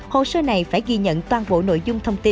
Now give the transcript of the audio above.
hồ sơ này phải ghi nhận toàn bộ nội dung thông tin